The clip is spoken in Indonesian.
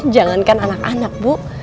jangan kan anak anak bu